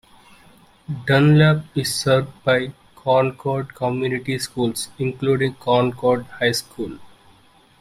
Dunlap is served by Concord Community Schools, including Concord High School.